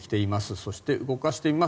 そして動かしてみます。